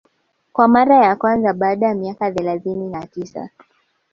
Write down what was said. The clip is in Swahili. kwa mara ya kwanza baada ya miaka thelathini na tisa